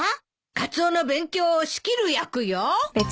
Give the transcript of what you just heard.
カツオの勉強を仕切る役よ。